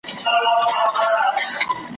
رباب ګونګی سو مطربان مړه سول `